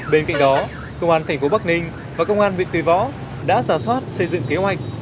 bên cạnh đó công an tp bắc ninh và công an huyện tuy võ đã giả soát xây dựng kế hoạch